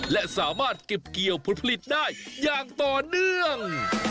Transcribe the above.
และสามารถเก็บเกี่ยวผลผลิตได้อย่างต่อเนื่อง